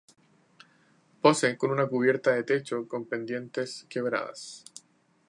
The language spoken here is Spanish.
Posee con una cubierta de techo con pendientes quebradas.